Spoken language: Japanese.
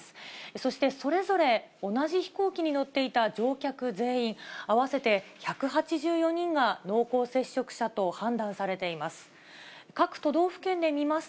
そしてそれぞれ、同じ飛行機に乗っていた乗客全員、合わせて１８４人が濃厚接触者と判断されています。